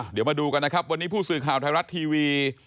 เดี๋ยวมาดูกันนะครับวันนี้ผู้สื่อข่าวไทยรัฐทีวี